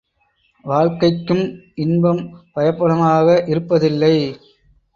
வாழ்க்கைக்கும் இன்பம் பயப்பனவாக இருப்பதில்லை!